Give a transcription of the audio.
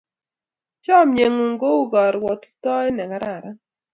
Chamyengung ko u karwatutaet ne kararan